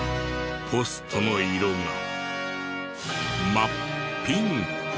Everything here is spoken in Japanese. ポストの色が真っピンク。